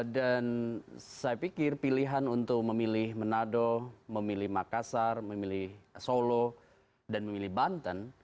dan saya pikir pilihan untuk memilih menado memilih makassar memilih solo dan memilih banten